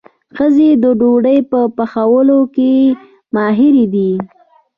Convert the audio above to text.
ښځې د ډوډۍ په پخولو کې ماهرې دي.